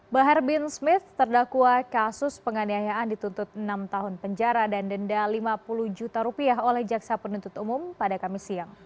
bahar bin smith terdakwa kasus penganiayaan dituntut enam tahun penjara dan denda lima puluh juta rupiah oleh jaksa penuntut umum pada kamis siang